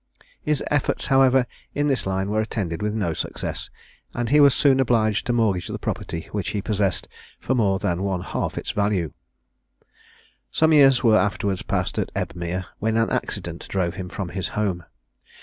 His efforts, however, in this line were attended with no success, and he was soon obliged to mortgage the property which he possessed for more than one half its value. Some years were afterwards passed at Ebmere, when an accident drove him from his home.